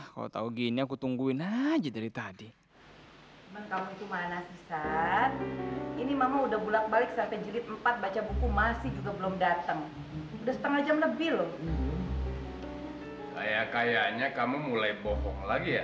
sampai jumpa di video selanjutnya